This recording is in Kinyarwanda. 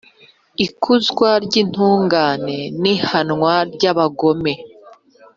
Ikuzwa ry’intungane n’ihanwa ry’abagome